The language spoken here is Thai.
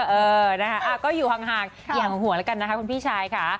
เออนะคะก็อยู่ห่างอย่างห่วงแล้วกันนะคะคุณพี่ชายค่ะ